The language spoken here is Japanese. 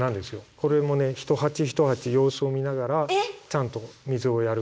これもね一鉢一鉢様子を見ながらちゃんと水をやる。